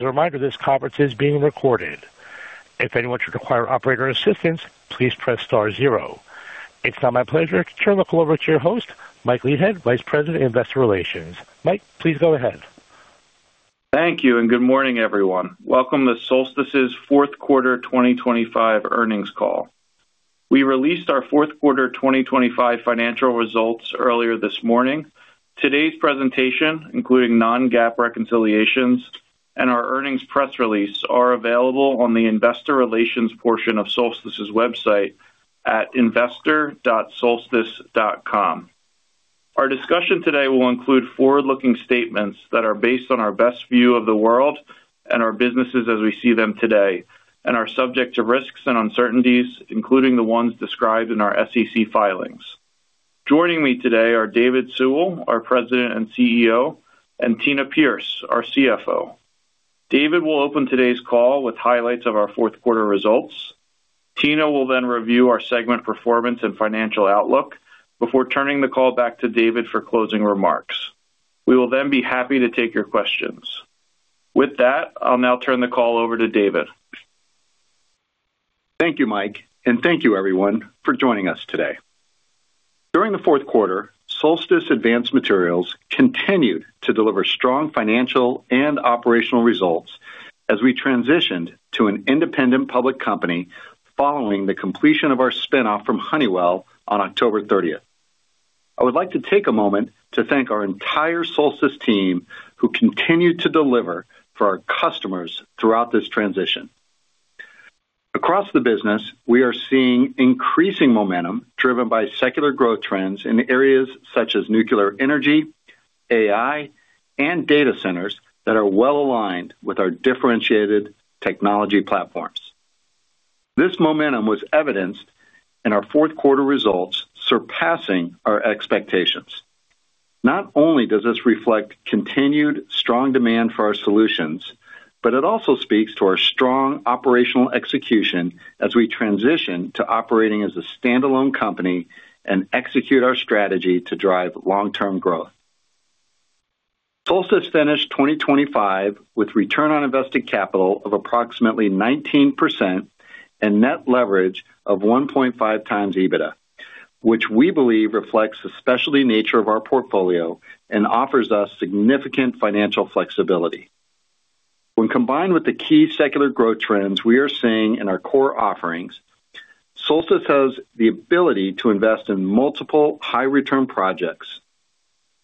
A reminder, this conference is being recorded. If anyone should require operator assistance, please press star zero. It's now my pleasure to turn the call over to your host, Mike Leithead, Vice President, Investor Relations. Mike, please go ahead. Thank you, and good morning, everyone. Welcome to Solvay's fourth quarter 2025 earnings call. We released our fourth quarter 2025 financial results earlier this morning. Today's presentation, including non-GAAP reconciliations and our earnings press release, are available on the investor relations portion of Solvay's website at investor.solstice.com. Our discussion today will include forward-looking statements that are based on our best view of the world and our businesses as we see them today, and are subject to risks and uncertainties, including the ones described in our SEC filings. Joining me today are David Sewell, our President and CEO, and Tina Pierce, our CFO. David will open today's call with highlights of our fourth quarter results. Tina will then review our segment performance and financial outlook before turning the call back to David for closing remarks. We will then be happy to take your questions. With that, I'll now turn the call over to David. Thank you, Mike, and thank you everyone for joining us today. During the fourth quarter, Solstice Advanced Materials continued to deliver strong financial and operational results as we transitioned to an independent public company following the completion of our spin-off from Honeywell on October 30. I would like to take a moment to thank our entire Solstice team, who continued to deliver for our customers throughout this transition. Across the business, we are seeing increasing momentum, driven by secular growth trends in areas such as nuclear energy, AI, and data centers that are well aligned with our differentiated technology platforms. This momentum was evidenced in our fourth quarter results, surpassing our expectations. Not only does this reflect continued strong demand for our solutions, but it also speaks to our strong operational execution as we transition to operating as a standalone company and execute our strategy to drive long-term growth. Solstice finished 2025 with return on invested capital of approximately 19% and net leverage of 1.5x EBITDA, which we believe reflects the specialty nature of our portfolio and offers us significant financial flexibility. When combined with the key secular growth trends we are seeing in our core offerings, Solstice has the ability to invest in multiple high return projects.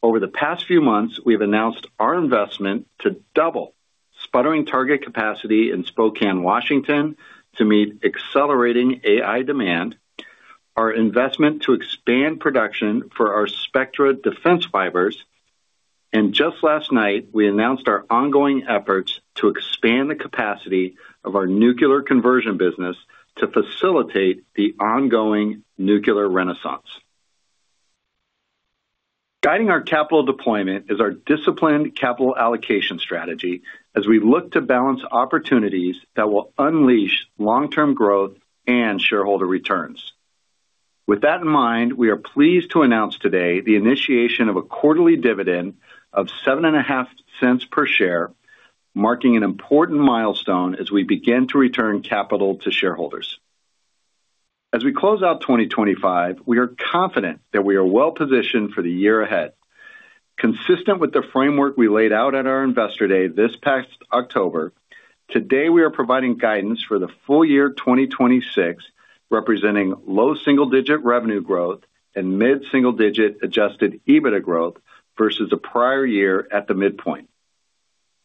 Over the past few months, we've announced our investment to double sputtering target capacity in Spokane, Washington, to meet accelerating AI demand, our investment to expand production for our Spectra defense fibers, and just last night, we announced our ongoing efforts to expand the capacity of our nuclear conversion business to facilitate the ongoing nuclear renaissance. Guiding our capital deployment is our disciplined capital allocation strategy as we look to balance opportunities that will unleash long-term growth and shareholder returns. With that in mind, we are pleased to announce today the initiation of a quarterly dividend of $0.075 per share, marking an important milestone as we begin to return capital to shareholders. As we close out 2025, we are confident that we are well positioned for the year ahead. Consistent with the framework we laid out at our Investor Day this past October, today we are providing guidance for the full year 2026, representing low single-digit revenue growth and mid-single digit Adjusted EBITDA growth versus the prior year at the midpoint.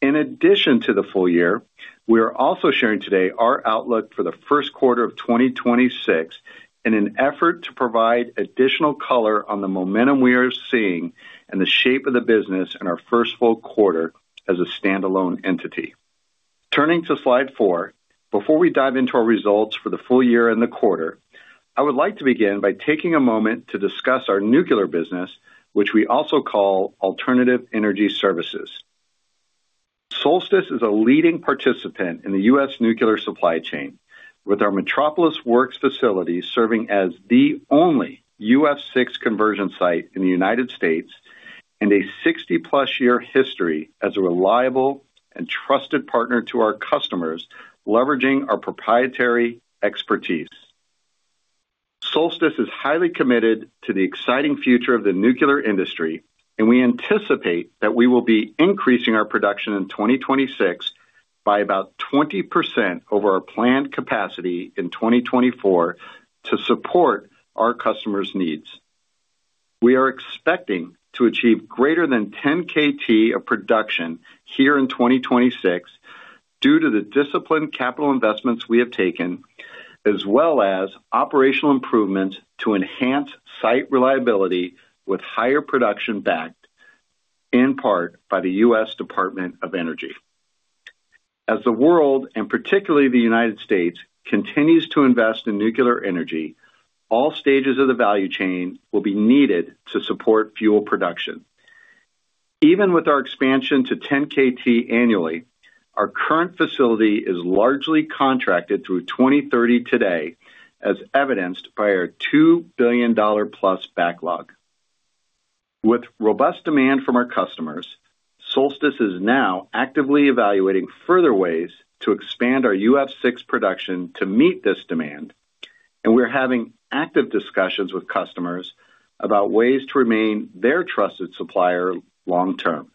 In addition to the full year, we are also sharing today our outlook for the first quarter of 2026 in an effort to provide additional color on the momentum we are seeing and the shape of the business in our first full quarter as a standalone entity. Turning to slide four, before we dive into our results for the full year and the quarter, I would like to begin by taking a moment to discuss our nuclear business, which we also call Alternative Energy Services. Solstice is a leading participant in the U.S. nuclear supply chain, with our Metropolis Works facility serving as the only UF6 conversion site in the United States and a 60+-year history as a reliable and trusted partner to our customers, leveraging our proprietary expertise. Solstice is highly committed to the exciting future of the nuclear industry, and we anticipate that we will be increasing our production in 2026 by about 20% over our planned capacity in 2024 to support our customers' needs. We are expecting to achieve greater than 10 KT of production here in 2026 due to the disciplined capital investments we have taken, as well as operational improvements to enhance site reliability with higher production, backed in part by the U.S. Department of Energy. As the world, and particularly the United States, continues to invest in nuclear energy, all stages of the value chain will be needed to support fuel production. Even with our expansion to 10 KT annually, our current facility is largely contracted through 2030 today, as evidenced by our $2 billion+ backlog.... With robust demand from our customers, Solstice is now actively evaluating further ways to expand our UF6 production to meet this demand, and we're having active discussions with customers about ways to remain their trusted supplier long term.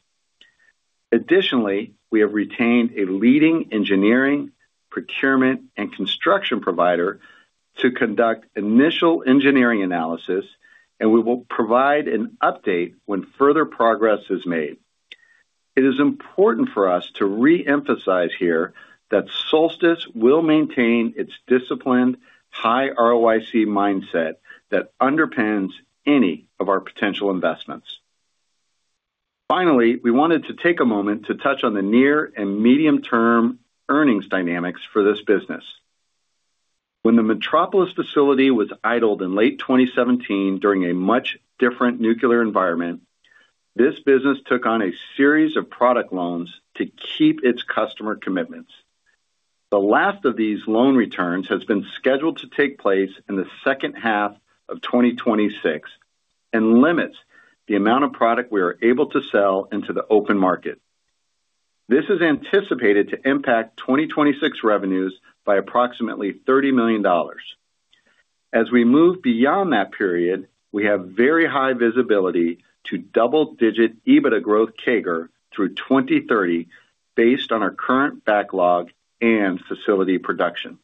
Additionally, we have retained a leading engineering, procurement, and construction provider to conduct initial engineering analysis, and we will provide an update when further progress is made. It is important for us to reemphasize here that Solstice will maintain its disciplined, high ROIC mindset that underpins any of our potential investments. Finally, we wanted to take a moment to touch on the near and medium-term earnings dynamics for this business. When the Metropolis facility was idled in late 2017 during a much different nuclear environment, this business took on a series of product loans to keep its customer commitments. The last of these loan returns has been scheduled to take place in the second half of 2026 and limits the amount of product we are able to sell into the open market. This is anticipated to impact 2026 revenues by approximately $30 million. As we move beyond that period, we have very high visibility to double-digit EBITDA growth CAGR through 2030, based on our current backlog and facility production.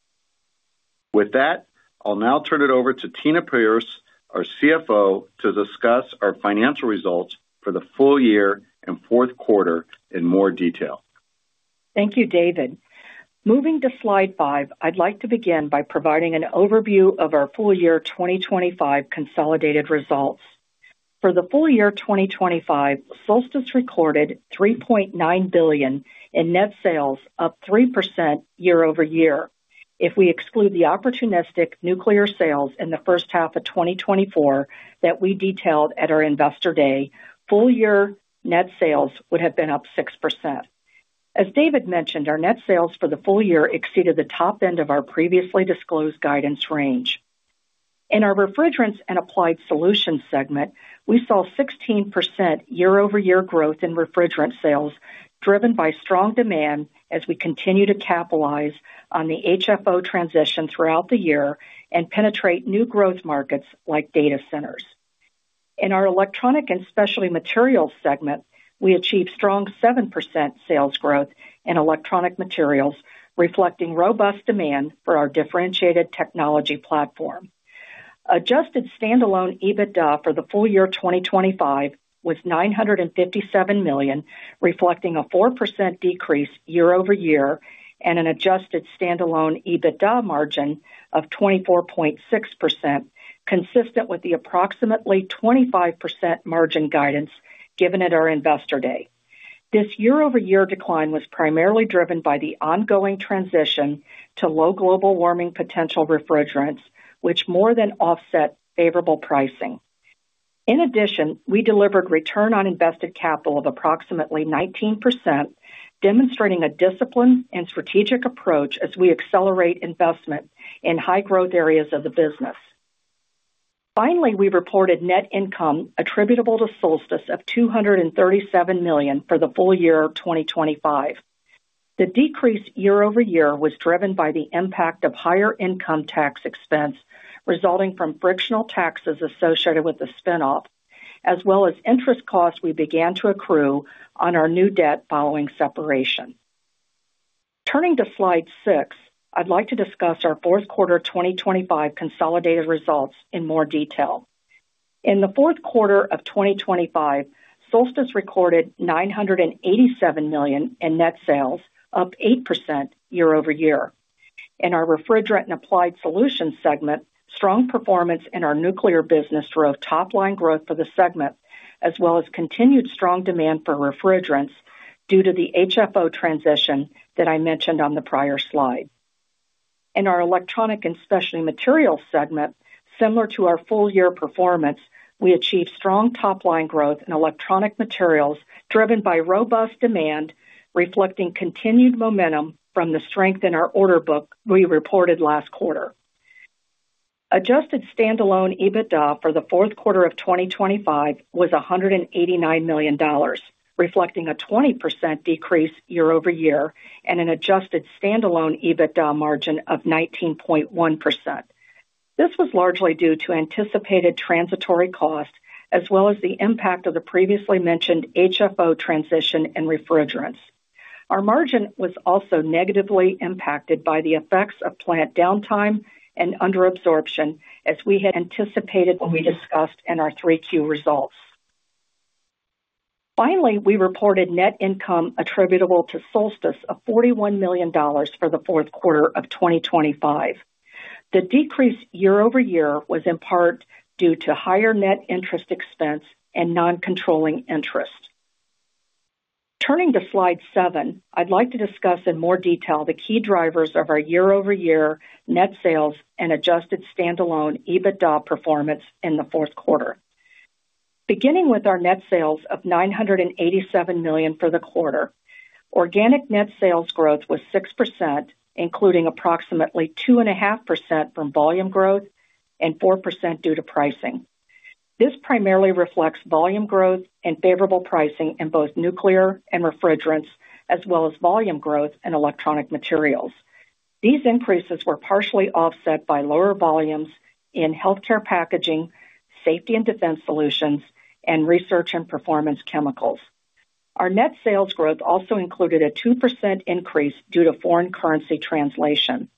With that, I'll now turn it over to Tina Pierce, our CFO, to discuss our financial results for the full year and fourth quarter in more detail. Thank you, David. Moving to slide five, I'd like to begin by providing an overview of our full year 2025 consolidated results. For the full year 2025, Solstice recorded $3.9 billion in net sales, up 3% year over year. If we exclude the opportunistic nuclear sales in the first half of 2024 that we detailed at our Investor Day, full year net sales would have been up 6%. As David mentioned, our net sales for the full year exceeded the top end of our previously disclosed guidance range. In our Refrigerants and Applied Solutions segment, we saw 16% year-over-year growth in refrigerant sales, driven by strong demand as we continue to capitalize on the HFO transition throughout the year and penetrate new growth markets like data centers. In our Electronic and Specialty Materials segment, we achieved strong 7% sales growth in electronic materials, reflecting robust demand for our differentiated technology platform. Adjusted standalone EBITDA for the full year 2025 was $957 million, reflecting a 4% decrease year-over-year, and an adjusted standalone EBITDA margin of 24.6%, consistent with the approximately 25% margin guidance given at our Investor Day. This year-over-year decline was primarily driven by the ongoing transition to low global warming potential refrigerants, which more than offset favorable pricing. In addition, we delivered return on invested capital of approximately 19%, demonstrating a disciplined and strategic approach as we accelerate investment in high growth areas of the business. Finally, we reported net income attributable to Solstice of $237 million for the full year of 2025. The decrease year over year was driven by the impact of higher income tax expense, resulting from frictional taxes associated with the spin-off, as well as interest costs we began to accrue on our new debt following separation. Turning to slide six, I'd like to discuss our fourth quarter 2025 consolidated results in more detail. In the fourth quarter of 2025, Solstice recorded $987 million in net sales, up 8% year over year. In our Refrigerant and Applied Solutions segment, strong performance in our nuclear business drove top-line growth for the segment, as well as continued strong demand for refrigerants due to the HFO transition that I mentioned on the prior slide. In our Electronic and Specialty Materials segment, similar to our full year performance, we achieved strong top-line growth in electronic materials, driven by robust demand, reflecting continued momentum from the strength in our order book we reported last quarter. Adjusted standalone EBITDA for the fourth quarter of 2025 was $189 million, reflecting a 20% decrease year-over-year and an adjusted standalone EBITDA margin of 19.1%. This was largely due to anticipated transitory costs, as well as the impact of the previously mentioned HFO transition in refrigerants. Our margin was also negatively impacted by the effects of plant downtime and under absorption, as we had anticipated when we discussed in our 3Q results. Finally, we reported net income attributable to Solstice of $41 million for the fourth quarter of 2025. The decrease year-over-year was in part due to higher net interest expense and non-controlling interest. Turning to Slide seven, I'd like to discuss in more detail the key drivers of our year-over-year net sales and Adjusted Standalone EBITDA performance in the fourth quarter. Beginning with our net sales of $987 million for the quarter. Organic net sales growth was 6%, including approximately 2.5% from volume growth and 4% due to pricing. This primarily reflects volume growth and favorable pricing in both nuclear and refrigerants, as well as volume growth in electronic materials. These increases were partially offset by lower volumes in healthcare packaging, safety and defense solutions, and research and performance chemicals. Our net sales growth also included a 2% increase due to foreign currency translation.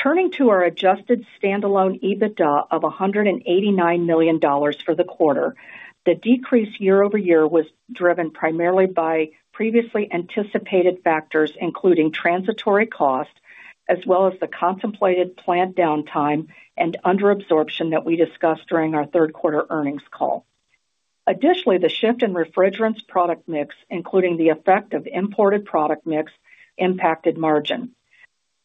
Turning to our Adjusted standalone EBITDA of $189 million for the quarter, the decrease year-over-year was driven primarily by previously anticipated factors, including transitory costs, as well as the contemplated plant downtime and under absorption that we discussed during our third quarter earnings call. Additionally, the shift in refrigerants product mix, including the effect of imported product mix, impacted margin.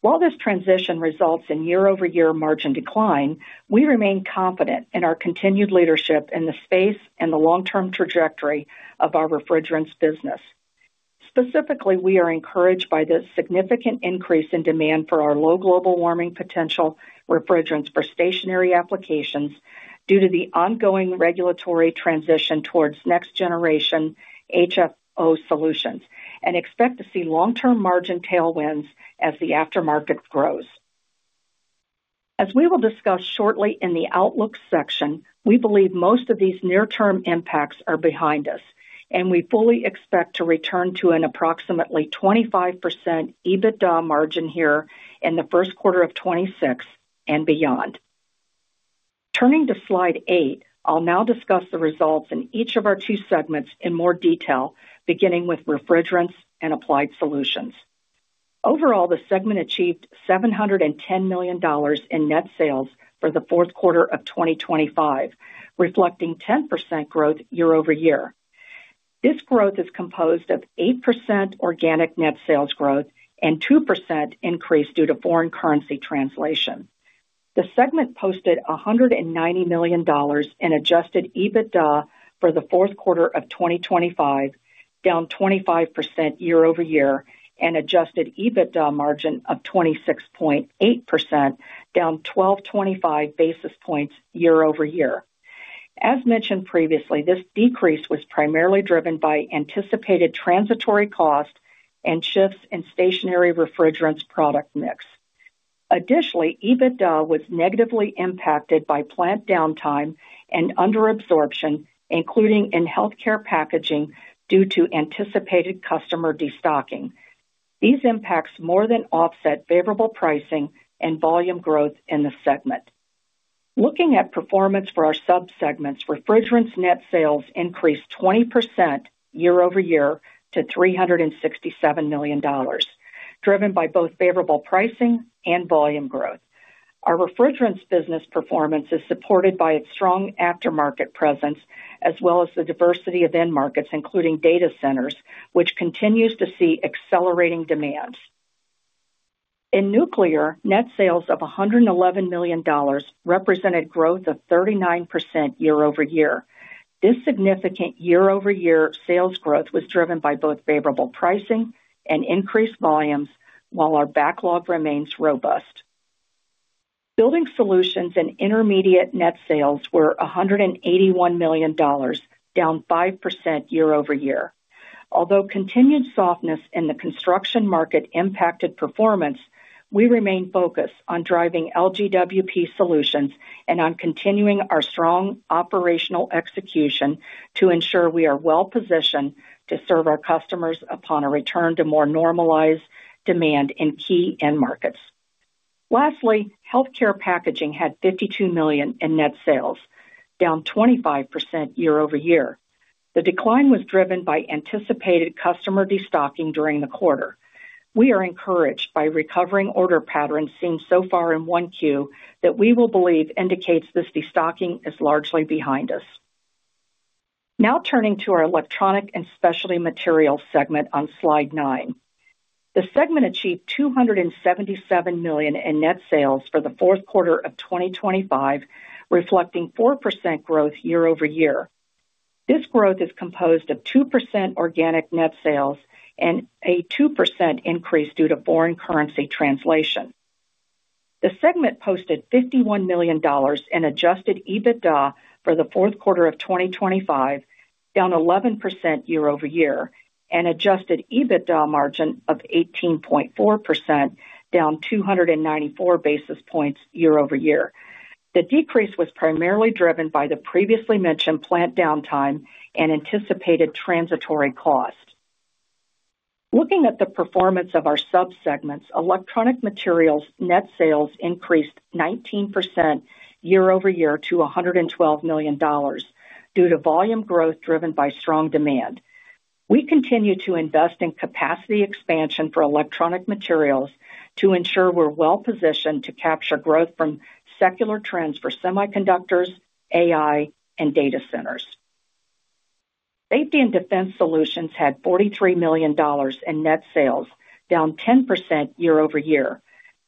While this transition results in year-over-year margin decline, we remain confident in our continued leadership in the space and the long-term trajectory of our refrigerants business. Specifically, we are encouraged by the significant increase in demand for our low-global-warming-potential refrigerants for stationary applications due to the ongoing regulatory transition towards next-generation HFO solutions, and expect to see long-term margin tailwinds as the aftermarket grows. As we will discuss shortly in the outlook section, we believe most of these near-term impacts are behind us, and we fully expect to return to an approximately 25% EBITDA margin here in the first quarter of 2026 and beyond. Turning to slide eight. I'll now discuss the results in each of our two segments in more detail, beginning with Refrigerants and Applied Solutions. Overall, the segment achieved $710 million in net sales for the fourth quarter of 2025, reflecting 10% growth year-over-year. This growth is composed of 8% organic net sales growth and 2% increase due to foreign currency translation. The segment posted $190 million in adjusted EBITDA for the fourth quarter of 2025, down 25% year-over-year, and adjusted EBITDA margin of 26.8%, down 1,225 basis points year-over-year. As mentioned previously, this decrease was primarily driven by anticipated transitory costs and shifts in stationary refrigerants product mix. Additionally, EBITDA was negatively impacted by plant downtime and under absorption, including in healthcare packaging, due to anticipated customer destocking. These impacts more than offset favorable pricing and volume growth in the segment. Looking at performance for our sub-segments, Refrigerants net sales increased 20% year-over-year to $367 million, driven by both favorable pricing and volume growth. Our Refrigerants business performance is supported by its strong aftermarket presence as well as the diversity of end markets, including data centers, which continues to see accelerating demand. In nuclear, net sales of $111 million represented growth of 39% year-over-year. This significant year-over-year sales growth was driven by both favorable pricing and increased volumes, while our backlog remains robust. Building solutions and intermediate net sales were $181 million, down 5% year-over-year. Although continued softness in the construction market impacted performance, we remain focused on driving LGWP solutions and on continuing our strong operational execution to ensure we are well positioned to serve our customers upon a return to more normalized demand in key end markets. Lastly, healthcare packaging had $52 million in net sales, down 25% year-over-year. The decline was driven by anticipated customer destocking during the quarter. We are encouraged by recovering order patterns seen so far in 1Q that we will believe indicates this destocking is largely behind us. Now turning to our Electronic and Specialty Materials segment on Slide nine. The segment achieved $277 million in net sales for the fourth quarter of 2025, reflecting 4% growth year-over-year. This growth is composed of 2% organic net sales and a 2% increase due to foreign currency translation. The segment posted $51 million in Adjusted EBITDA for the fourth quarter of 2025, down 11% year-over-year, and Adjusted EBITDA margin of 18.4%, down 294 basis points year-over-year. The decrease was primarily driven by the previously mentioned plant downtime and anticipated transitory costs. Looking at the performance of our sub-segments, electronic materials net sales increased 19% year-over-year to $112 million due to volume growth driven by strong demand. We continue to invest in capacity expansion for electronic materials to ensure we're well positioned to capture growth from secular trends for semiconductors, AI, and data centers. Safety and Defense Solutions had $43 million in net sales, down 10% year-over-year.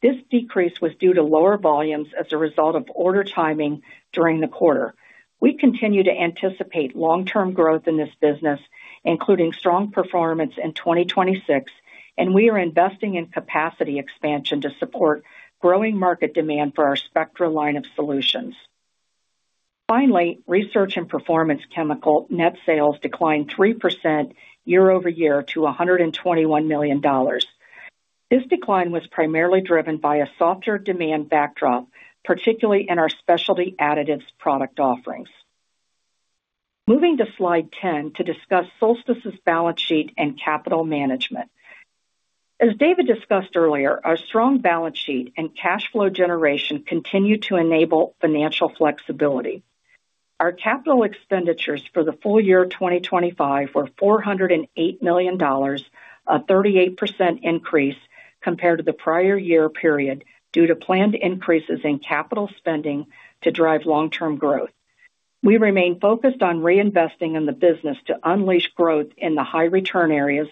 This decrease was due to lower volumes as a result of order timing during the quarter. We continue to anticipate long-term growth in this business, including strong performance in 2026, and we are investing in capacity expansion to support growing market demand for our Spectra line of solutions. Finally, research and performance chemical net sales declined 3% year-over-year to $121 million. This decline was primarily driven by a softer demand backdrop, particularly in our specialty additives product offerings. Moving to slide 10 to discuss Solstice's balance sheet and capital management. As David discussed earlier, our strong balance sheet and cash flow generation continue to enable financial flexibility. Our capital expenditures for the full year 2025 were $408 million, a 38% increase compared to the prior year period, due to planned increases in capital spending to drive long-term growth. We remain focused on reinvesting in the business to unleash growth in the high return areas,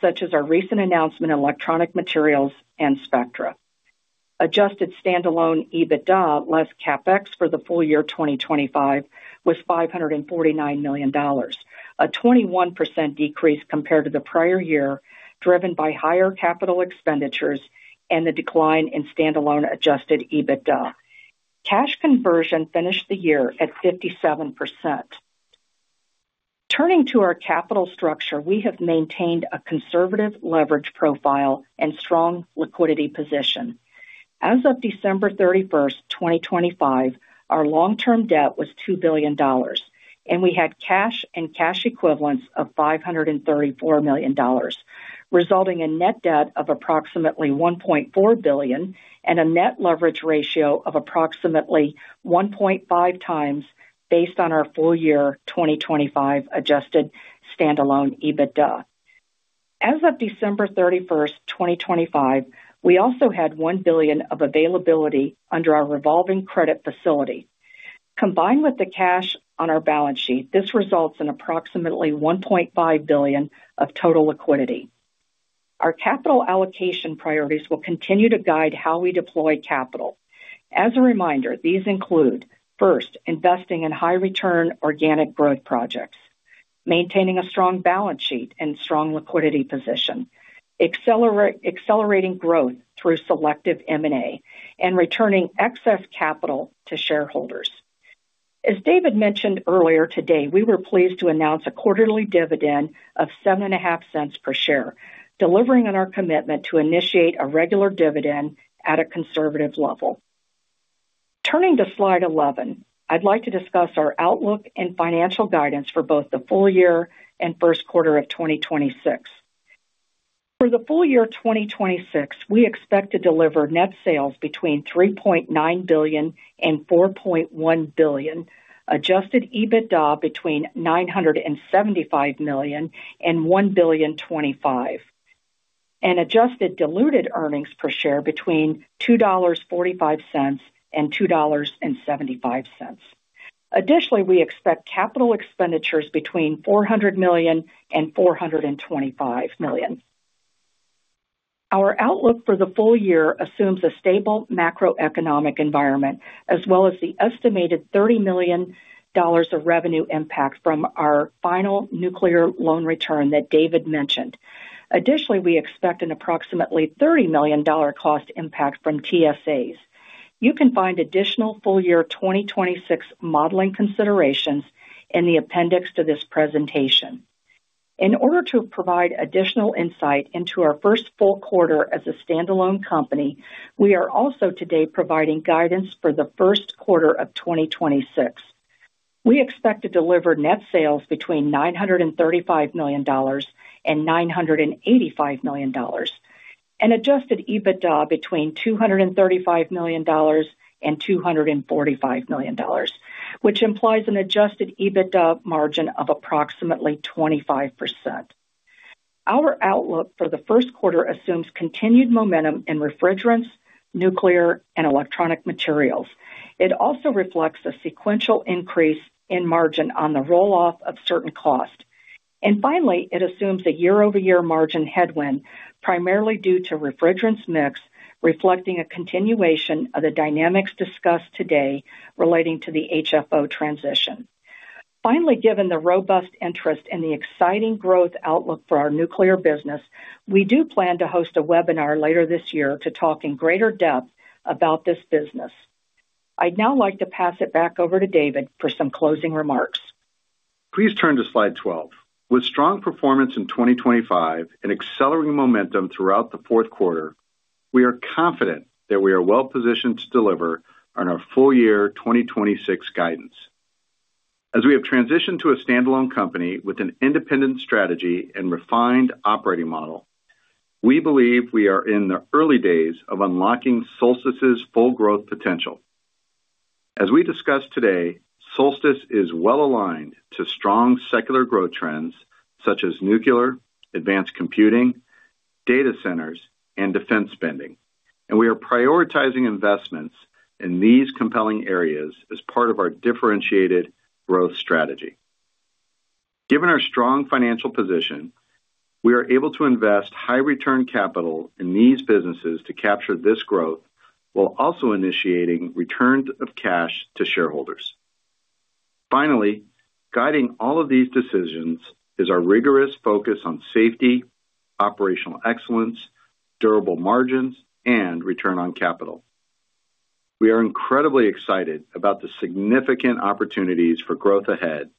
such as our recent announcement in electronic materials and Spectra. Adjusted standalone EBITDA less CapEx for the full year 2025 was $549 million, a 21% decrease compared to the prior year, driven by higher capital expenditures and the decline in standalone adjusted EBITDA. Cash conversion finished the year at 57%. Turning to our capital structure, we have maintained a conservative leverage profile and strong liquidity position. As of December 31st, 2025, our long-term debt was $2 billion, and we had cash and cash equivalents of $534 million, resulting in net debt of approximately $1.4 billion and a net leverage ratio of approximately 1.5x based on our full year 2025 Adjusted standalone EBITDA. As of December 31st, 2025, we also had $1 billion of availability under our revolving credit facility. Combined with the cash on our balance sheet, this results in approximately $1.5 billion of total liquidity. Our capital allocation priorities will continue to guide how we deploy capital. As a reminder, these include, first, investing in high return organic growth projects, maintaining a strong balance sheet and strong liquidity position, accelerating growth through selective M&A, and returning excess capital to shareholders. As David mentioned earlier today, we were pleased to announce a quarterly dividend of $0.075 per share, delivering on our commitment to initiate a regular dividend at a conservative level. Turning to slide 11, I'd like to discuss our outlook and financial guidance for both the full year and first quarter of 2026. For the full year 2026, we expect to deliver net sales between $3.9 billion and $4.1 billion, Adjusted EBITDA between $975 million and $1.025 billion, and adjusted diluted earnings per share between $2.45 and $2.75. Additionally, we expect capital expenditures between $400 million and $425 million. Our outlook for the full year assumes a stable macroeconomic environment, as well as the estimated $30 million of revenue impact from our final nuclear loan return that David mentioned. Additionally, we expect an approximately $30 million cost impact from TSAs. You can find additional full year 2026 modeling considerations in the appendix to this presentation. In order to provide additional insight into our first full quarter as a standalone company, we are also today providing guidance for the first quarter of 2026. We expect to deliver net sales between $935 million and $985 million, and Adjusted EBITDA between $235 million and $245 million, which implies an Adjusted EBITDA margin of approximately 25%. Our outlook for the first quarter assumes continued momentum in refrigerants, nuclear, and electronic materials. It also reflects a sequential increase in margin on the roll-off of certain costs. Finally, it assumes a year-over-year margin headwind, primarily due to refrigerants mix, reflecting a continuation of the dynamics discussed today relating to the HFO transition. Finally, given the robust interest and the exciting growth outlook for our nuclear business, we do plan to host a webinar later this year to talk in greater depth about this business. I'd now like to pass it back over to David for some closing remarks. Please turn to slide 12. With strong performance in 2025 and accelerating momentum throughout the fourth quarter, we are confident that we are well positioned to deliver on our full year 2026 guidance. As we have transitioned to a standalone company with an independent strategy and refined operating model, we believe we are in the early days of unlocking Solstice's full growth potential. As we discussed today, Solstice is well aligned to strong secular growth trends such as nuclear, advanced computing, data centers, and defense spending, and we are prioritizing investments in these compelling areas as part of our differentiated growth strategy. Given our strong financial position, we are able to invest high return capital in these businesses to capture this growth, while also initiating returns of cash to shareholders. Finally, guiding all of these decisions is our rigorous focus on safety, operational excellence, durable margins, and return on capital. We are incredibly excited about the significant opportunities for growth ahead,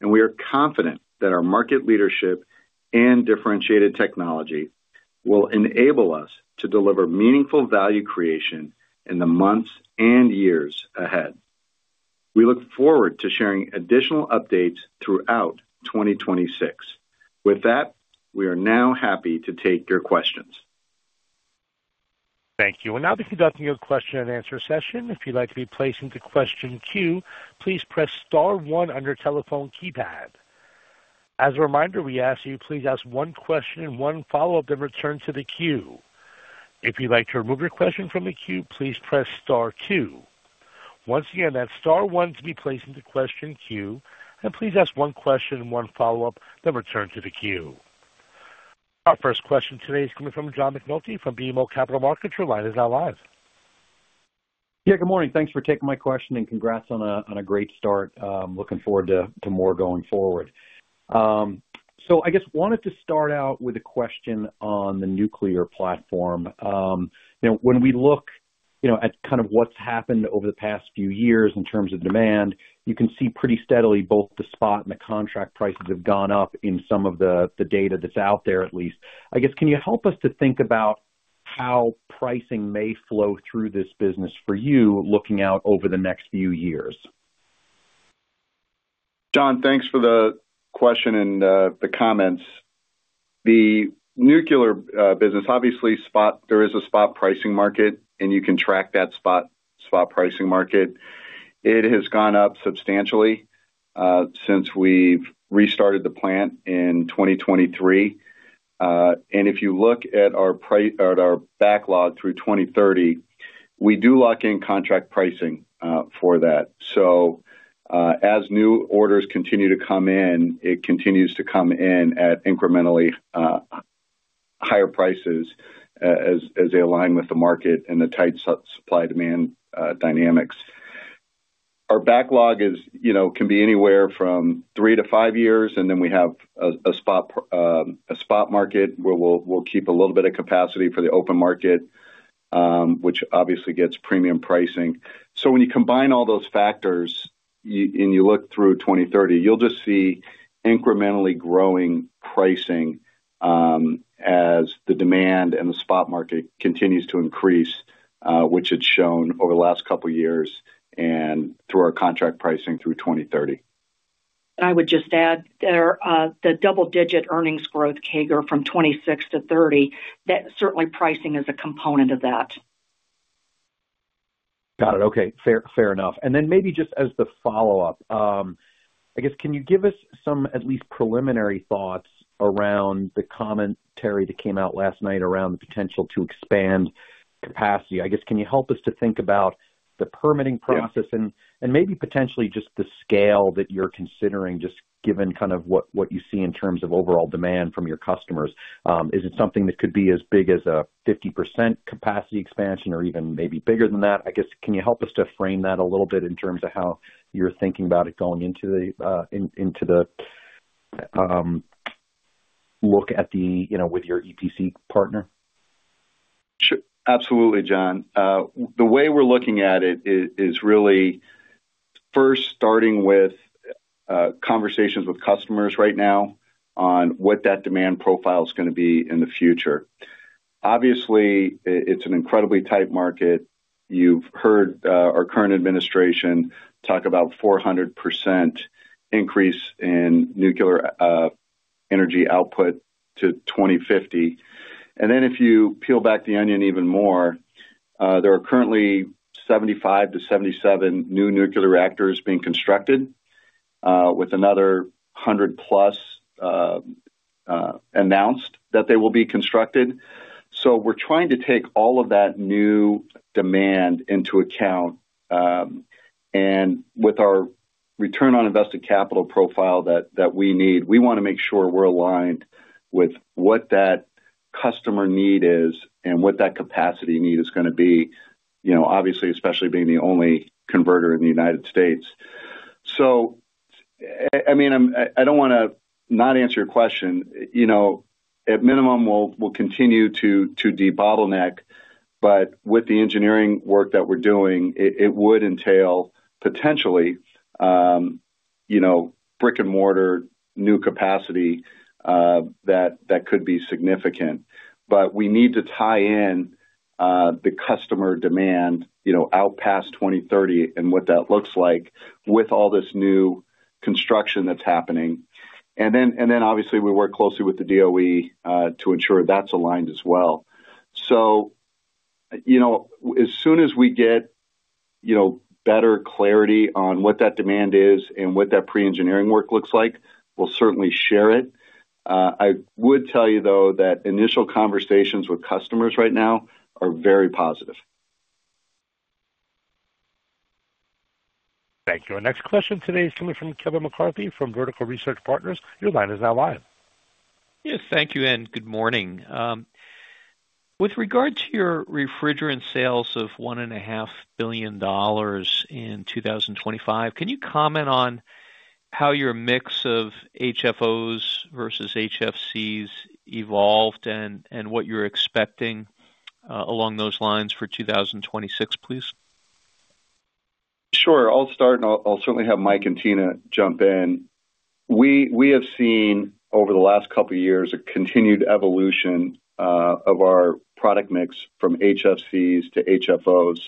and we are confident that our market leadership and differentiated technology will enable us to deliver meaningful value creation in the months and years ahead. We look forward to sharing additional updates throughout 2026. With that, we are now happy to take your questions. Thank you. We'll now be conducting your question and answer session. If you'd like to be placed into question queue, please press star one on your telephone keypad. As a reminder, we ask that you please ask one question and one follow-up, then return to the queue. If you'd like to remove your question from the queue, please press star two. Once again, that's star one to be placed into question queue, and please ask one question and one follow-up, then return to the queue. Our first question today is coming from John McNulty from BMO Capital Markets. Your line is now live. Yeah, good morning. Thanks for taking my question, and congrats on a great start. Looking forward to more going forward. So I guess wanted to start out with a question on the nuclear platform. You know, when we look, you know, at kind of what's happened over the past few years in terms of demand, you can see pretty steadily both the spot and the contract prices have gone up in some of the data that's out there at least. I guess, can you help us to think about how pricing may flow through this business for you, looking out over the next few years? John, thanks for the question and the comments. The nuclear business, obviously, there is a spot pricing market, and you can track that spot pricing market. It has gone up substantially since we've restarted the plant in 2023. And if you look at our backlog through 2030, we do lock in contract pricing for that. So, as new orders continue to come in, it continues to come in at incrementally higher prices, as they align with the market and the tight supply-demand dynamics. Our backlog is, you know, can be anywhere from 3-5 years, and then we have a spot market where we'll keep a little bit of capacity for the open market, which obviously gets premium pricing. So when you combine all those factors, and you look through 2030, you'll just see incrementally growing pricing, as the demand and the spot market continues to increase, which it's shown over the last couple of years and through our contract pricing through 2030. I would just add there, the double-digit earnings growth CAGR from 26 to 30, that certainly pricing is a component of that. Got it. Okay. Fair, fair enough. And then maybe just as the follow-up, I guess, can you give us some, at least preliminary thoughts around the commentary that came out last night around the potential to expand capacity? I guess, can you help us to think about the permitting process? Yeah. And maybe potentially just the scale that you're considering, just given kind of what you see in terms of overall demand from your customers? Is it something that could be as big as a 50% capacity expansion or even maybe bigger than that? I guess, can you help us to frame that a little bit in terms of how you're thinking about it going into the look at the, you know, with your EPC partner? Sure. Absolutely, John. The way we're looking at it is really first starting with conversations with customers right now on what that demand profile is gonna be in the future. Obviously, it's an incredibly tight market. You've heard our current administration talk about 400% increase in nuclear energy output to 2050. And then if you peel back the onion even more, there are currently 75-77 new nuclear reactors being constructed with another 100+ announced that they will be constructed. So we're trying to take all of that new demand into account, and with our return on invested capital profile that we need, we wanna make sure we're aligned with what that customer need is and what that capacity need is gonna be, you know, obviously, especially being the only converter in the United States. So, I mean, I don't wanna not answer your question. You know, at minimum, we'll continue to debottleneck, but with the engineering work that we're doing, it would entail potentially, you know, brick-and-mortar new capacity, that could be significant. But we need to tie in the customer demand, you know, out past 2030 and what that looks like with all this new construction that's happening. And then obviously, we work closely with the DOE to ensure that's aligned as well. So, you know, as soon as we get, you know, better clarity on what that demand is and what that pre-engineering work looks like, we'll certainly share it. I would tell you, though, that initial conversations with customers right now are very positive. Thank you. Our next question today is coming from Kevin McCarthy from Vertical Research Partners. Your line is now live. Yes, thank you, and good morning. With regard to your refrigerant sales of $1.5 billion in 2025, can you comment on how your mix of HFOs versus HFCs evolved and what you're expecting along those lines for 2026, please? Sure. I'll start, and I'll, I'll certainly have Mike and Tina jump in. We, we have seen over the last couple of years, a continued evolution, of our product mix from HFCs to HFOs.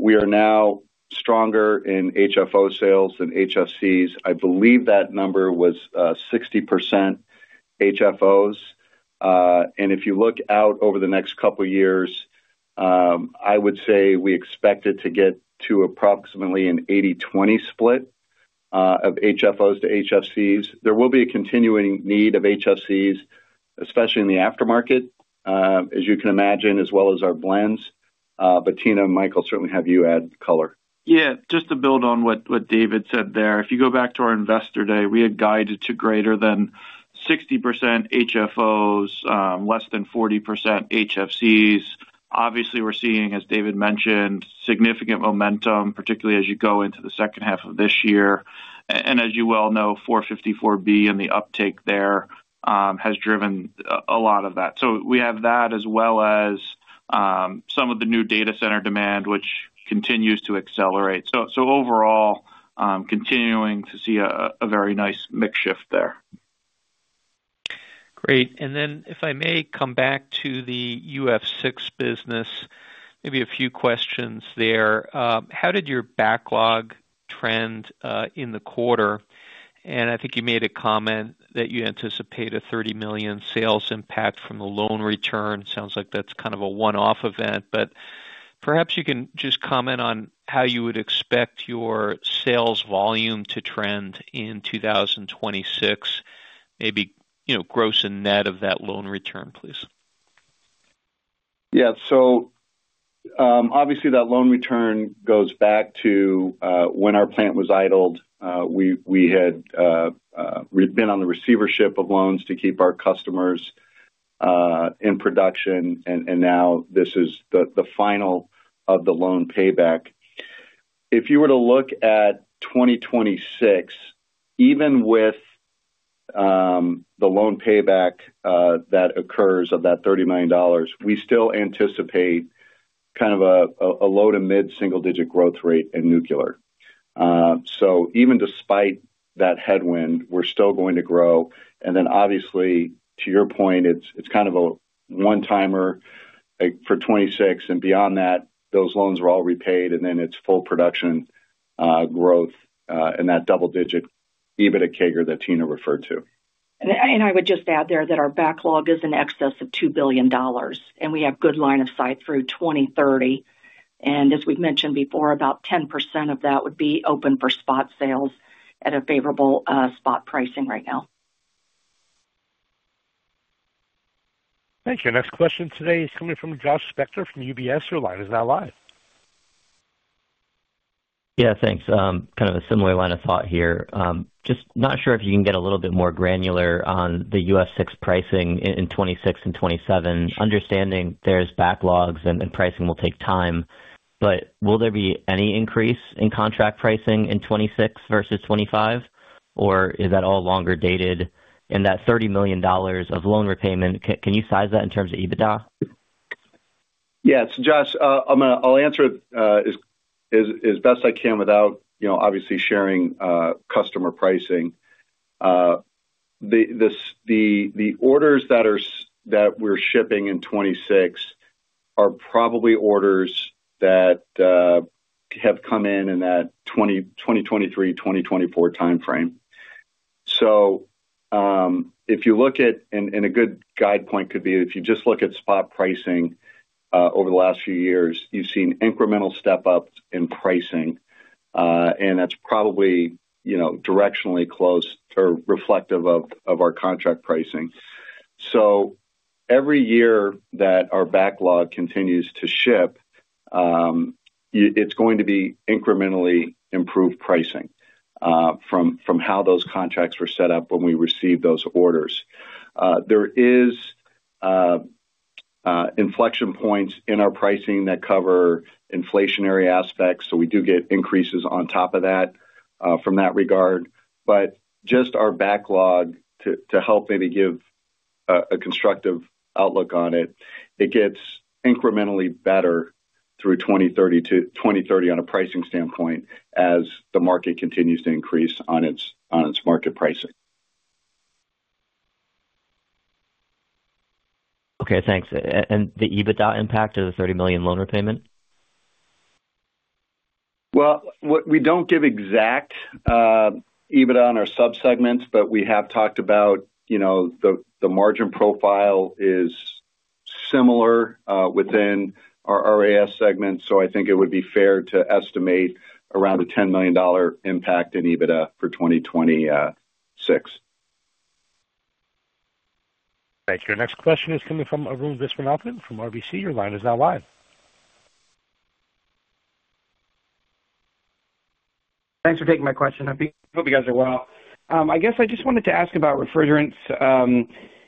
We are now stronger in HFO sales than HFCs. I believe that number was, 60% HFOs. And if you look out over the next couple of years, I would say we expect it to get to approximately an 80/20 split, of HFOs to HFCs. There will be a continuing need of HFCs, especially in the aftermarket, as you can imagine, as well as our blends. But Tina and Michael, certainly have you add color. Yeah, just to build on what David said there. If you go back to our Investor Day, we had guided to greater than 60% HFOs, less than 40% HFCs. Obviously, we're seeing, as David mentioned, significant momentum, particularly as you go into the second half of this year. And as you well know, 454B and the uptake there has driven a lot of that. So we have that as well as some of the new data center demand, which continues to accelerate. So overall, continuing to see a very nice mix shift there. Great. And then, if I may come back to the UF6 business, maybe a few questions there. How did your backlog trend, in the quarter? And I think you made a comment that you anticipate a $30 million sales impact from the loan return. Sounds like that's kind of a one-off event, but perhaps you can just comment on how you would expect your sales volume to trend in 2026, maybe, you know, gross and net of that loan return, please. Yeah. So, obviously, that loan return goes back to when our plant was idled. We had we'd been on the receivership of loans to keep our customers in production, and now this is the final of the loan payback. If you were to look at 2026, even with the loan payback that occurs of that $30 million, we still anticipate kind of a low- to mid-single-digit growth rate in nuclear. So even despite that headwind, we're still going to grow. And then, obviously, to your point, it's kind of a one-timer, like, for 2026. And beyond that, those loans are all repaid, and then it's full production growth in that double-digit EBITDA CAGR that Tina referred to. And I would just add there that our backlog is in excess of $2 billion, and we have good line of sight through 2030. And as we've mentioned before, about 10% of that would be open for spot sales at a favorable spot pricing right now. Thank you. Our next question today is coming from Josh Spector from UBS. Your line is now live. Yeah, thanks. Kind of a similar line of thought here. Just not sure if you can get a little bit more granular on the UF6 pricing in 2026 and 2027, understanding there's backlogs and, and pricing will take time. But will there be any increase in contract pricing in 2026 versus 2025, or is that all longer dated? And that $30 million of loan repayment, can you size that in terms of EBITDA? Yeah. So Josh, I'm gonna—I'll answer it, as best I can without, you know, obviously sharing, customer pricing. The orders that we're shipping in 2026 are probably orders that have come in in that 2023, 2024 time frame. So, if you look at... a good guide point could be if you just look at spot pricing, over the last few years, you've seen incremental step up in pricing, and that's probably, you know, directionally close or reflective of our contract pricing. So every year that our backlog continues to ship, it's going to be incrementally improved pricing, from how those contracts were set up when we received those orders. There is inflection points in our pricing that cover inflationary aspects, so we do get increases on top of that from that regard. But just our backlog to help maybe give a constructive outlook on it, it gets incrementally better through 2030 to 2030 on a pricing standpoint, as the market continues to increase on its on its market pricing. Okay, thanks. And the EBITDA impact of the $30 million loan repayment? Well, we don't give exact EBITDA on our subsegments, but we have talked about, you know, the margin profile is similar within our RAS segment, so I think it would be fair to estimate around a $10 million impact in EBITDA for 2026. Thank you. Our next question is coming from Arun Viswanath from RBC. Your line is now live. Thanks for taking my question. I hope you guys are well. I guess I just wanted to ask about refrigerants.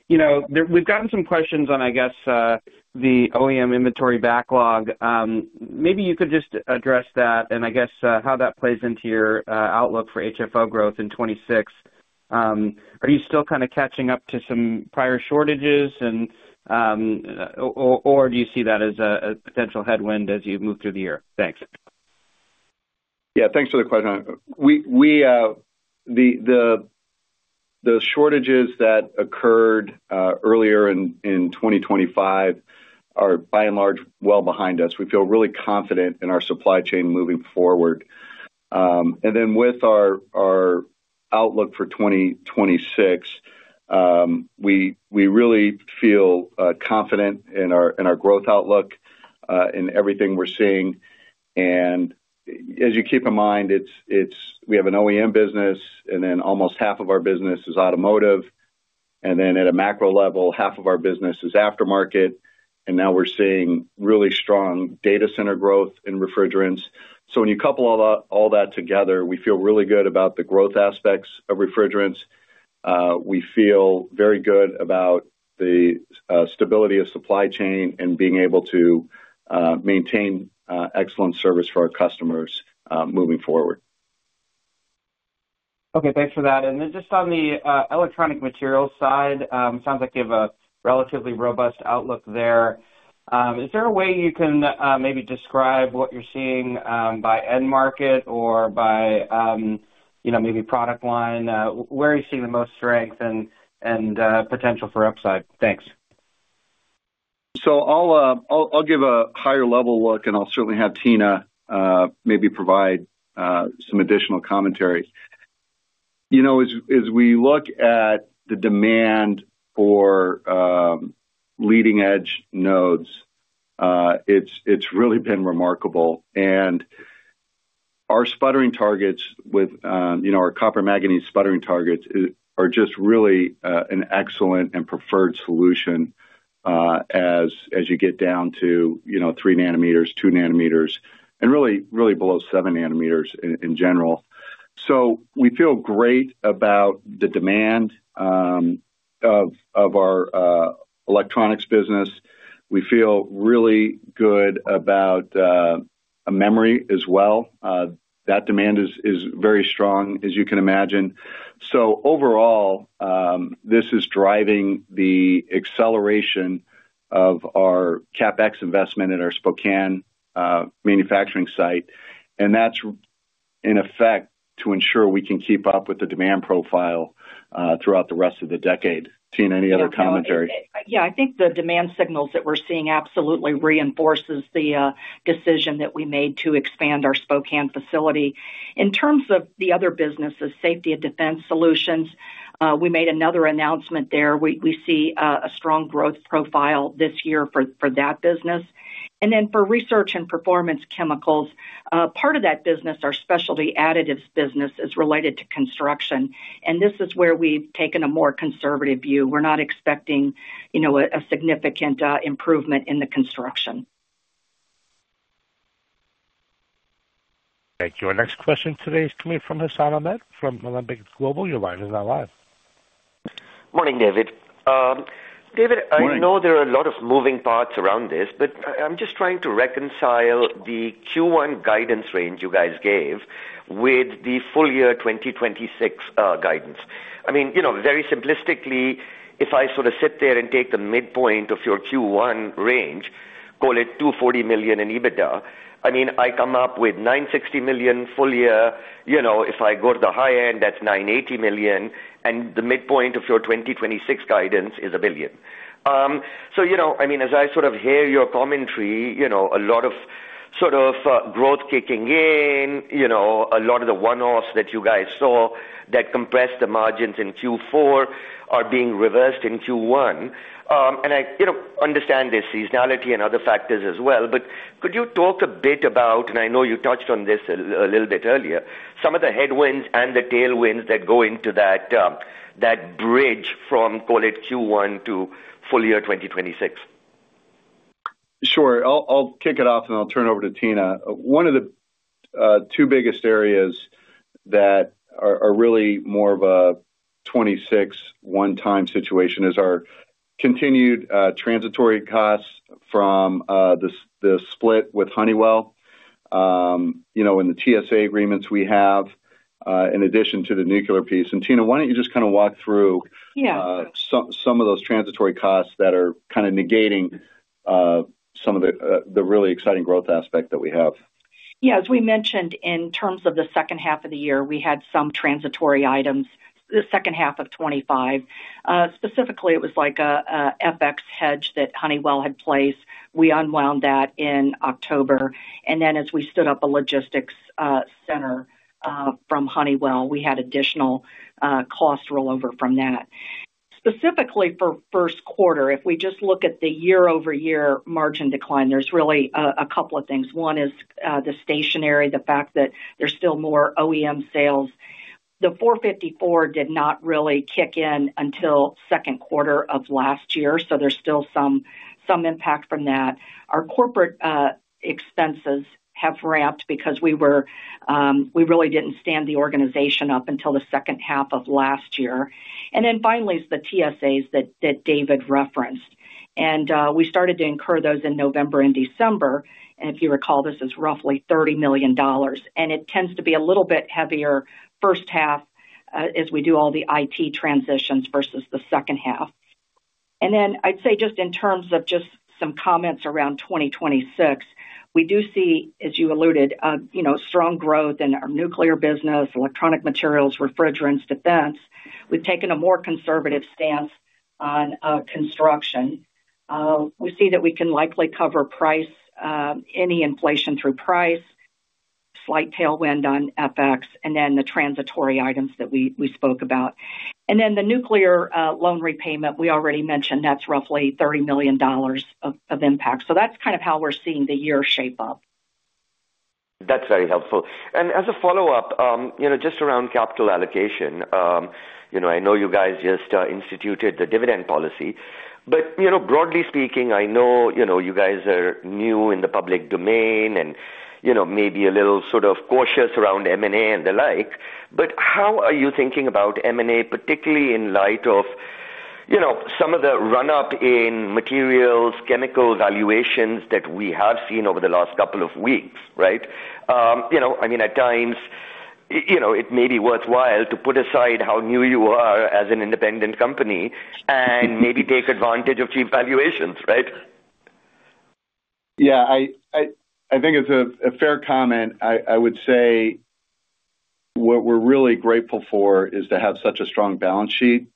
You know, we've gotten some questions on, I guess, the OEM inventory backlog. Maybe you could just address that and I guess how that plays into your outlook for HFO growth in 2026. Are you still kind of catching up to some prior shortages and, or do you see that as a potential headwind as you move through the year? Thanks. Yeah, thanks for the question. The shortages that occurred earlier in 2025 are by and large well behind us. We feel really confident in our supply chain moving forward. And then with our outlook for 2026, we really feel confident in our growth outlook in everything we're seeing. And as you keep in mind, we have an OEM business, and then almost half of our business is automotive, and then at a macro level, half of our business is aftermarket, and now we're seeing really strong data center growth in refrigerants. So when you couple all that, all that together, we feel really good about the growth aspects of refrigerants. We feel very good about the stability of supply chain and being able to maintain excellent service for our customers moving forward. Okay, thanks for that. And then just on the electronic materials side, sounds like you have a relatively robust outlook there. Is there a way you can maybe describe what you're seeing by end market or by, you know, maybe product line? Where are you seeing the most strength and potential for upside? Thanks. So I'll give a higher level look, and I'll certainly have Tina maybe provide some additional commentary. You know, as we look at the demand for leading edge nodes, it's really been remarkable. And our sputtering targets with our copper manganese sputtering targets are just really an excellent and preferred solution as you get down to 3 nanometers, 2 nanometers, and really below 7 nanometers in general. So we feel great about the demand of our electronics business. We feel really good about memory as well. That demand is very strong, as you can imagine. So overall, this is driving the acceleration of our CapEx investment in our Spokane, manufacturing site, and that's in effect to ensure we can keep up with the demand profile, throughout the rest of the decade. Tina, any other commentary? Yeah, I think the demand signals that we're seeing absolutely reinforces the decision that we made to expand our Spokane facility. In terms of the other businesses, safety and defense solutions, we made another announcement there. We see a strong growth profile this year for that business. And then for research and performance chemicals, part of that business, our specialty additives business, is related to construction, and this is where we've taken a more conservative view. We're not expecting, you know, a significant improvement in the construction. Thank you. Our next question today is coming from Hassan Ahmed, from Alembic Global Advisors. Your line is now live. Morning, David. Morning. I know there are a lot of moving parts around this, but I'm just trying to reconcile the Q1 guidance range you guys gave with the full year 2026 guidance. I mean, you know, very simplistically, if I sort of sit there and take the midpoint of your Q1 range, call it $240 million in EBITDA, I mean, I come up with $960 million full year. You know, if I go to the high end, that's $980 million, and the midpoint of your 2026 guidance is $1 billion. So, you know, I mean, as I sort of hear your commentary, you know, a lot of sort of growth kicking in, you know, a lot of the one-offs that you guys saw that compressed the margins in Q4 are being reversed in Q1. And I, you know, understand there's seasonality and other factors as well, but could you talk a bit about, and I know you touched on this a little bit earlier, some of the headwinds and the tailwinds that go into that, that bridge from, call it Q1 to full year 2026? Sure. I'll kick it off and I'll turn it over to Tina. One of the two biggest areas that are really more of a 26 one-time situation is our continued transitory costs from the split with Honeywell. You know, in the TSA agreements we have in addition to the nuclear piece. Tina, why don't you just kind of walk through- Yeah. some of those transitory costs that are kind of negating some of the really exciting growth aspect that we have. Yeah, as we mentioned, in terms of the second half of the year, we had some transitory items. The second half of 25, specifically, it was like a FX hedge that Honeywell had placed. We unwound that in October, and then as we stood up a logistics center from Honeywell, we had additional costs roll over from that. Specifically for first quarter, if we just look at the year-over-year margin decline, there's really a couple of things. One is the stationary, the fact that there's still more OEM sales.... 454 did not really kick in until second quarter of last year, so there's still some impact from that. Our corporate expenses have ramped because we were-- we really didn't stand the organization up until the second half of last year. And then finally, is the TSAs that David referenced, and we started to incur those in November and December, and if you recall, this is roughly $30 million, and it tends to be a little bit heavier first half, as we do all the IT transitions versus the second half. And then I'd say, just in terms of just some comments around 2026, we do see, as you alluded, you know, strong growth in our nuclear business, electronic materials, refrigerants, defense. We've taken a more conservative stance on construction. We see that we can likely cover price, any inflation through price, slight tailwind on FX, and then the transitory items that we spoke about. And then the nuclear loan repayment, we already mentioned, that's roughly $30 million of impact. So that's kind of how we're seeing the year shape up. That's very helpful. And as a follow-up, you know, just around capital allocation. You know, I know you guys just instituted the dividend policy, but, you know, broadly speaking, I know, you know, you guys are new in the public domain and, you know, maybe a little sort of cautious around M&A and the like, but how are you thinking about M&A, particularly in light of, you know, some of the run-up in materials, chemical valuations that we have seen over the last couple of weeks, right? You know, I mean, at times, you know, it may be worthwhile to put aside how new you are as an independent company and maybe take advantage of cheap valuations, right? Yeah, I think it's a fair comment. I would say what we're really grateful for is to have such a strong balance sheet.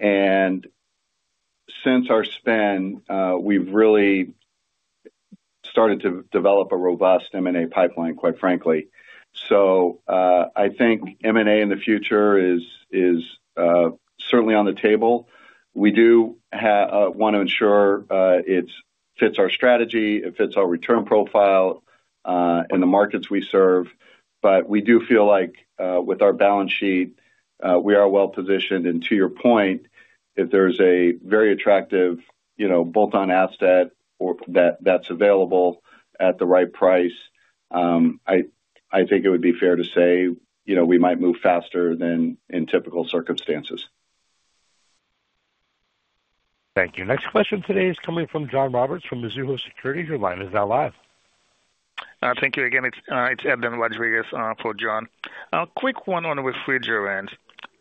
And since our spin, we've really started to develop a robust M&A pipeline, quite frankly. So, I think M&A in the future is certainly on the table. We do want to ensure it fits our strategy, it fits our return profile, and the markets we serve. But we do feel like, with our balance sheet, we are well positioned. And to your point, if there's a very attractive, you know, bolt-on asset or that, that's available at the right price, I think it would be fair to say, you know, we might move faster than in typical circumstances. Thank you. Next question today is coming from John Roberts from Mizuho Securities. Your line is now live. Thank you again. It's Evan Rodriguez for John. A quick one on refrigerant.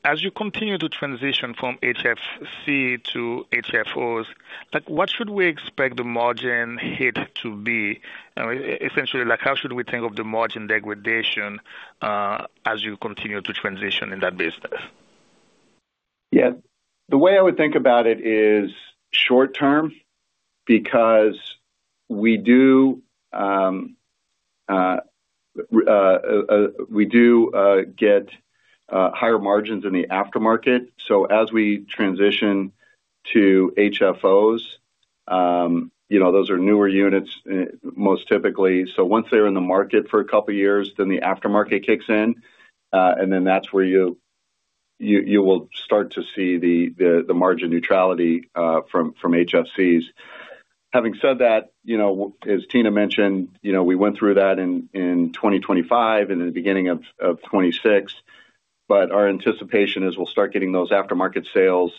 As you continue to transition from HFC to HFOs, like, what should we expect the margin hit to be? Essentially, like, how should we think of the margin degradation, as you continue to transition in that business? Yeah. The way I would think about it is short term, because we do get higher margins in the aftermarket. So as we transition to HFOs, you know, those are newer units, most typically. So once they're in the market for a couple of years, then the aftermarket kicks in, and then that's where you will start to see the margin neutrality from HFCs. Having said that, you know, as Tina mentioned, you know, we went through that in 2025 and in the beginning of 2026, but our anticipation is we'll start getting those aftermarket sales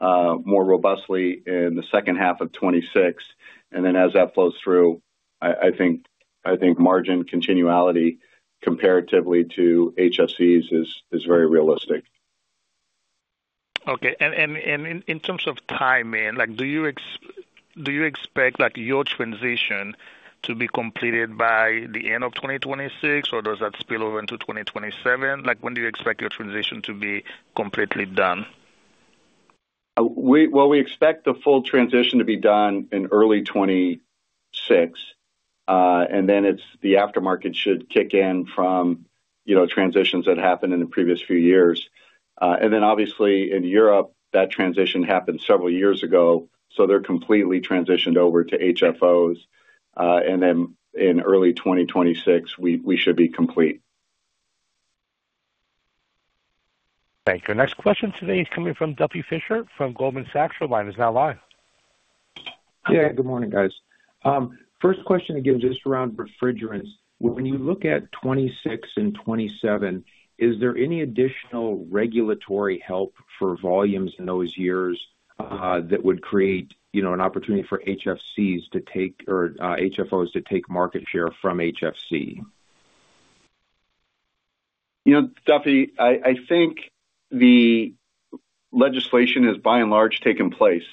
more robustly in the second half of 2026. And then as that flows through, I think margin continuality comparatively to HFCs is very realistic. Okay. And in terms of timing, like, do you expect, like, your transition to be completed by the end of 2026, or does that spill over into 2027? Like, when do you expect your transition to be completely done? Well, we expect the full transition to be done in early 2026, and then it's the aftermarket should kick in from, you know, transitions that happened in the previous few years. And then obviously in Europe, that transition happened several years ago, so they're completely transitioned over to HFOs. And then in early 2026, we should be complete. Thank you. Next question today is coming from Duffy Fischer from Goldman Sachs. Your line is now live. Yeah, good morning, guys. First question, again, just around refrigerants. When you look at 2026 and 2027, is there any additional regulatory help for volumes in those years that would create, you know, an opportunity for HFCs to take or HFOs to take market share from HFC? You know, Duffy, I think the legislation has, by and large, taken place.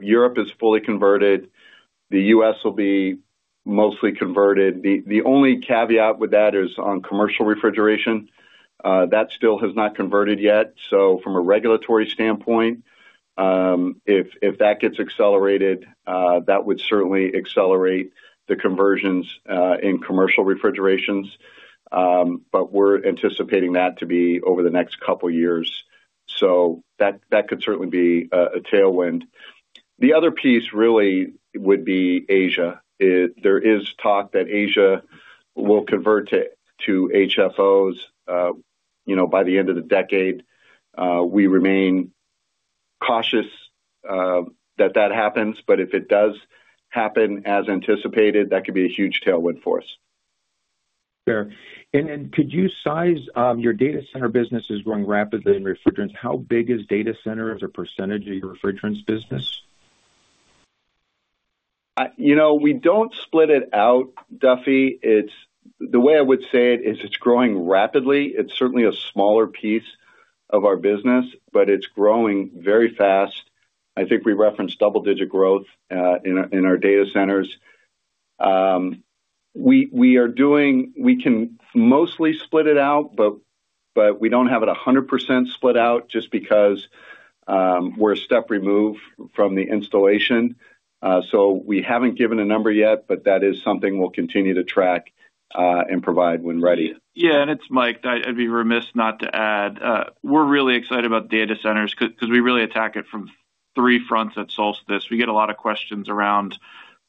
Europe is fully converted. The US will be mostly converted. The only caveat with that is on commercial refrigeration that still has not converted yet. So from a regulatory standpoint, if that gets accelerated, that would certainly accelerate the conversions in commercial refrigerations. But we're anticipating that to be over the next couple of years... So that could certainly be a tailwind. The other piece really would be Asia. There is talk that Asia will convert to HFOs, you know, by the end of the decade. We remain cautious that it happens, but if it does happen as anticipated, that could be a huge tailwind for us. Fair. And could you size your data center business is growing rapidly in refrigerants? How big is data center as a percentage of your refrigerants business? You know, we don't split it out, Duffy. It's. The way I would say it is, it's growing rapidly. It's certainly a smaller piece of our business, but it's growing very fast. I think we referenced double-digit growth in our data centers. We can mostly split it out, but we don't have it 100% split out just because we're a step removed from the installation. So we haven't given a number yet, but that is something we'll continue to track and provide when ready. Yeah, and it's Mike. I'd be remiss not to add, we're really excited about data centers 'cause, 'cause we really attack it from three fronts at Solstice. We get a lot of questions around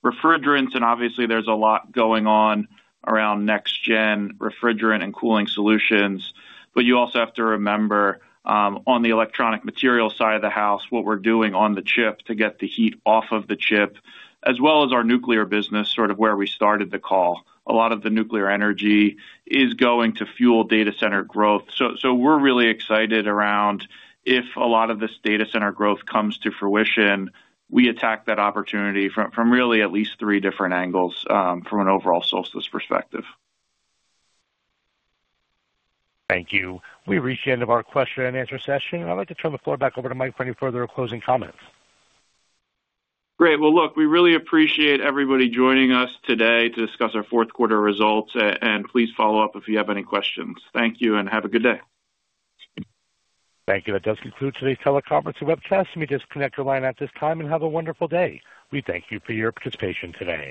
refrigerants, and obviously there's a lot going on around next gen refrigerant and cooling solutions. But you also have to remember, on the electronic material side of the house, what we're doing on the chip to get the heat off of the chip, as well as our nuclear business, sort of where we started the call. A lot of the nuclear energy is going to fuel data center growth. So, so we're really excited around if a lot of this data center growth comes to fruition, we attack that opportunity from, from really at least three different angles, from an overall Solstice perspective. Thank you. We've reached the end of our question and answer session, and I'd like to turn the floor back over to Mike for any further closing comments. Great. Well, look, we really appreciate everybody joining us today to discuss our fourth quarter results, and please follow up if you have any questions. Thank you, and have a good day. Thank you. That does conclude today's teleconference and webcast. You may disconnect your line at this time and have a wonderful day. We thank you for your participation today.